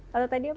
kalau tadi apa